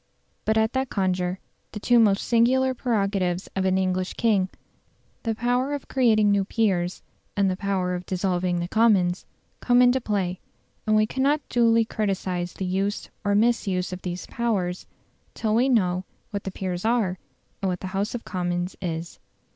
But at that conjuncture the two most singular prerogatives of an English king the power of creating new peers and the power of dissolving the Commons come into play; and we cannot duly criticise the use or misuse of these powers till we know what the peers are and what the House of Commons is.